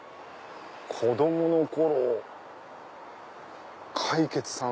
子供の頃魁傑さん